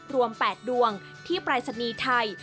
รวม๘ดวงที่ปรายศนีย์ไทย